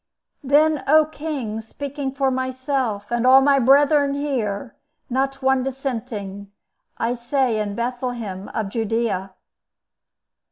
"Then, O king, speaking for myself, and all my brethren here, not one dissenting, I say, in Bethlehem of Judea."